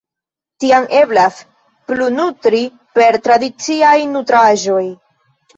Tiam eblas plunutri per tradiciaj nutraĵoj.